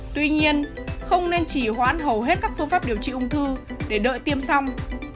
tuy nhiên không nên chỉ hoãn hầu hết các phương pháp điều trị ung thư để đợi tiêm xong